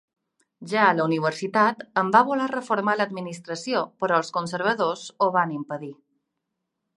Ja a la universitat en va voler reformar l'administració però els conservadors ho van impedir.